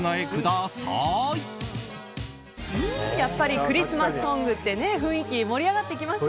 やっぱりクリスマスソングって雰囲気盛り上がってきますよね。